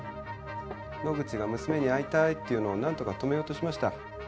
野口が「娘に会いたい」って言うのをなんとか止めようとしました。